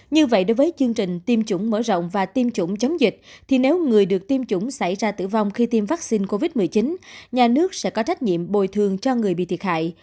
như vậy đối với chương trình tiêm chủng mở rộng và tiêm chủng chống dịch thì nếu người được tiêm chủng xảy ra tử vong khi tiêm vaccine covid một mươi chín nhà nước sẽ có trách nhiệm bồi thường cho người bị thiệt hại